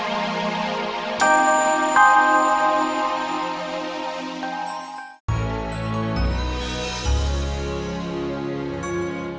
tidak saya mau berhenti